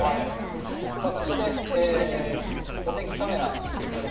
さあそして、お天気カメラ見